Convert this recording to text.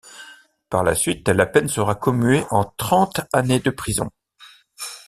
Par la suite, la peine sera commuée en trente années de prison.